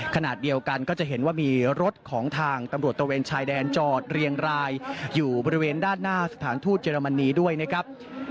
ขณะเดียวกันก็จะเห็นว่ามีรถของทางตำรวจตะเวนชายแดนจอดเรียงรายอยู่บริเวณด้านหน้าสถานทูตเยอรมนีด้วยนะครับ